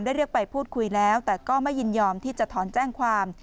เรียกไปพูดคุยแล้วแต่ก็ไม่ยินยอมที่จะถอนแจ้งความ